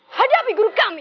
hadapi guru kami